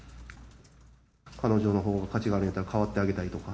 彼女のほうが価値があるんやったら代わってあげたいとか。